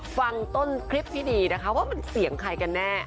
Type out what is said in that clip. ฟังต้นคลิปที่ดีนะคะว่ามันเสียงใครกันแน่